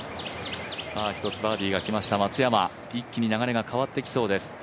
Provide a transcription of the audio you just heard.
１つバーディーが来ました松山、一気に流れが変わってきそうです。